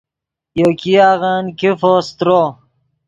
یو ګیاغن ګیفو سترو